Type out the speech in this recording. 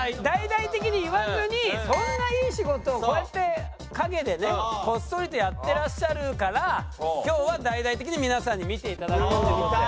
大々的に言わずにそんないい仕事をこうやって陰でねこっそりとやってらっしゃるから今日は大々的に皆さんに見て頂くって事で。